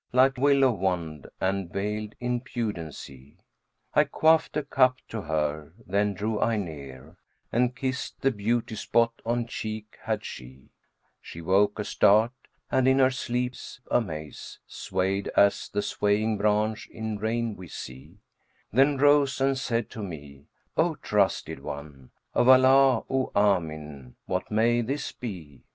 * Like willow wand and veiled in pudency: I quaffed a cup to her; then drew I near, * And kissed the beauty spot on cheek had she: She woke astart, and in her sleep's amaze, * Swayed as the swaying branch in rain we see; Then rose and said to me, 'O Trusted One * Of Allah, O Amin, what may this be?